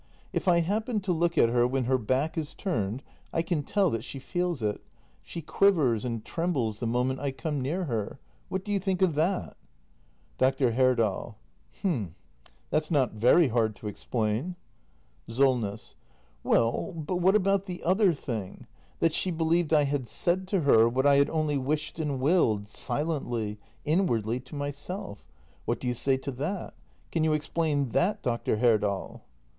If I happen to look at her when her back is turned, I can tell that she feels it. She quivers and trembles the moment I come near her. What do you think of that? Dr. Herdal. H'm — that's not very hard to explain. SOLNESS. Well, but what about the other thing? That she be lieved I had said to her what I had only wished and willed — silently — inwardly — to myself? What do you say to that? Can you explain that, Dr. Herdal ?